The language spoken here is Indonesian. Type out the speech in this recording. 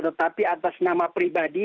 tetapi atas nama pribadi